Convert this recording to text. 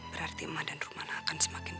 berarti emak dan rumana akan semakin dekat